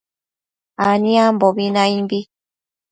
aniambobi naimbi